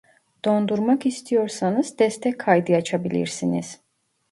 Dondurmak istiyorsanız destek kaydı açabilirsiniz